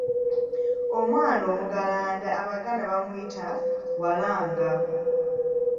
Omwana omuggulanda abaganda bamuyita waalanga.